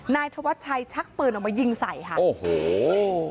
นายธวัชชัยชักปืนออกมายิงใส่ค่ะโอ้โห